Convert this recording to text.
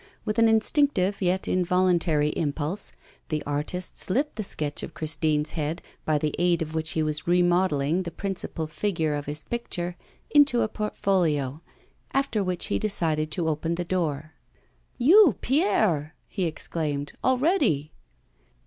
With an instinctive yet involuntary impulse, the artist slipped the sketch of Christine's head, by the aid of which he was remodelling the principal figure of his picture, into a portfolio. After which he decided to open the door. 'You, Pierre!' he exclaimed, 'already!